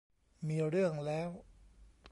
มีเรื่องแล้ว